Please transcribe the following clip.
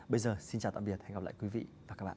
bây giờ xin chào tạm biệt và hẹn gặp lại quý vị và các bạn